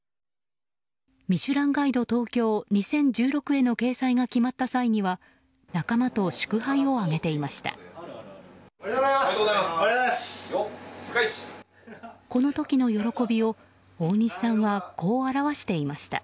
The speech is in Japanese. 「ミシュランガイド東京２０１６」への掲載が決まった際には仲間と祝杯を挙げていました。